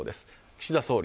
岸田総理。